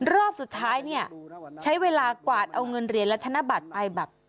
รอบสุดท้ายเนี่ยใช้เวลากวาดเอาเงินเหรียญและธนบัตรไปแบบ